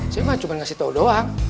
saya cuma ngasih tahu doang